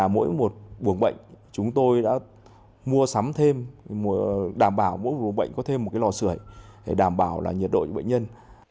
mỗi một buổi bệnh chúng tôi đã mua sắm thêm đảm bảo mỗi buổi bệnh có thêm một lò sửa để đảm bảo nhiệt độ cho bệnh nhân